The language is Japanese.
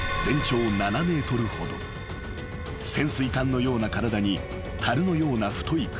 ［潜水艦のような体にたるのような太い首］